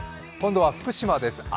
今度は福島です。